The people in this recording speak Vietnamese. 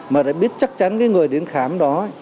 mà lại biết chắc chắn cái người đến khám đó